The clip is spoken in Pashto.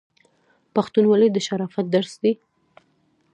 پښتونولي د شرافت درس دی.